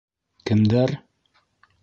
- Кемдәр?